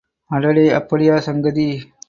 அடடே அப்படியா சங்கதி.